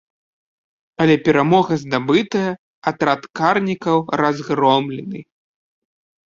Але перамога здабытая, атрад карнікаў разгромлены.